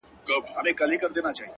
د خدای د عرش قهر د دواړو جهانونو زهر؛